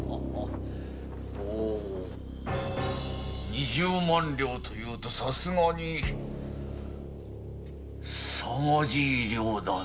二十万両ともなるとさすがにすさまじい量だな。